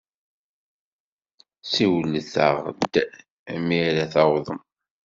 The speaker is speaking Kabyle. Siwlet-aɣ-d mi ara tawḍem.